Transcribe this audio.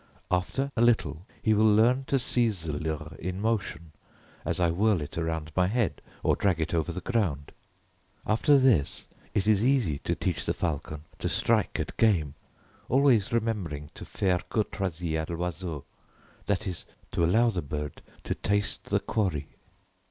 After a little he will learn to seize the leurre in motion as I whirl it around my head or drag it over the ground. After this it is easy to teach the falcon to strike at game, always remembering to 'faire courtoisie á l'oiseau', that is, to allow the bird to taste the quarry."